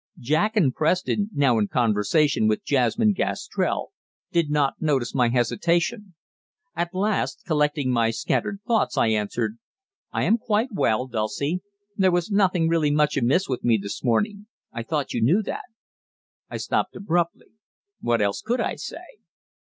Jack and Preston, now in conversation with Jasmine Gastrell, did not notice my hesitation. At last, collecting my scattered thoughts, I answered: "I am quite well, Dulcie. There was nothing really much amiss with me this morning I thought you knew that." I stopped abruptly. What else could I say?